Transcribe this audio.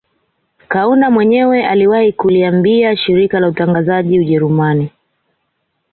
Kaunda mwenyewe aliwahi kuliambia shirika la utangazaji la Ujerumani